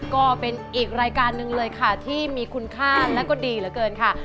ก็เป็นอีกรายการหนึ่งเลยค่ะที่มีคุณค่าและก็ดีเหลือเกินค่ะ